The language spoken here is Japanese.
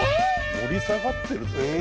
「盛り下がってるぜーっ！！」？